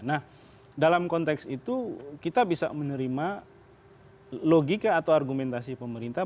nah dalam konteks itu kita bisa menerima logika atau argumentasi pemerintah